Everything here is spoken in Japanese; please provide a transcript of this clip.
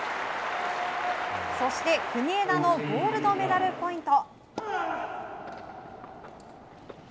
そして、国枝のゴールドメダルポイント。